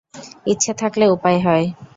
ইচ্ছে থাকলে উপায় হয়।